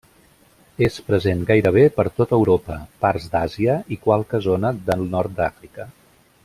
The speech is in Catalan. És present gairebé per tot Europa, parts d'Àsia i qualque zona del nord d'Àfrica.